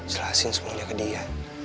jelasin semuanya ke dia